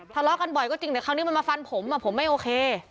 ทะเลาะกันบ่อยก็จริงแต่คราวนี้มันมาฟันผมผมไม่โอเค